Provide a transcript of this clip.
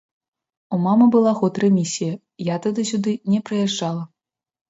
У мамы была год рэмісія, я тады сюды не прыязджала.